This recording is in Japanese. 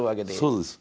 そうです。